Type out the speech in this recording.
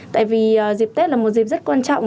tại vì dịp tết là một dịp rất quan trọng